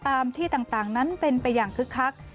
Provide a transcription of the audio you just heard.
ตามที่ต่างนั้นเป็นไปอย่างคึกคัก